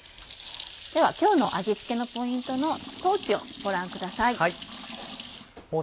では今日の味付けのポイントの豆をご覧ください。